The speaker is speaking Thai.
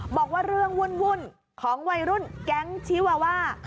บอกว่าเรื่องวุ่นของวัยรุ่นแก๊งชีวาว่า